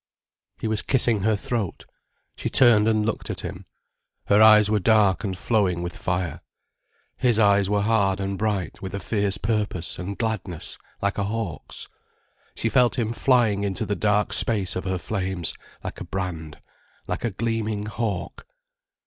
He was kissing her throat. She turned and looked at him. Her eyes were dark and flowing with fire. His eyes were hard and bright with a fierce purpose and gladness, like a hawk's. She felt him flying into the dark space of her flames, like a brand, like a gleaming hawk.